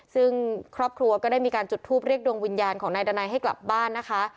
ซึ่งครอบครัวก็ได้มีการจุดทูปเรียกดวงวิญญาณของนายดานัยให้กลับบ้านนะคะ